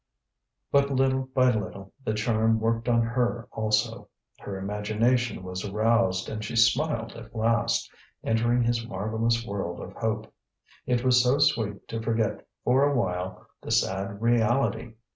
But little by little the charm worked on her also. Her imagination was aroused and she smiled at last, entering his marvellous world of hope. It was so sweet to forget for a while the sad reality!